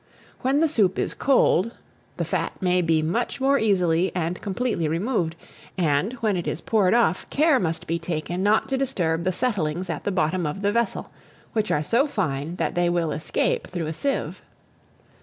When the soup is cold, the fat may be much more easily and completely removed; and when it is poured off, care must be taken not to disturb the settlings at the bottom of the vessel, which are so fine that they will escape through a sieve.